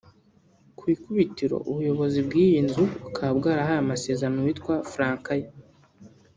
Ku ikubitiro ubuyobozi bw’iyi nzu bukaba bwarahaye amasezerano uwitwa Frankay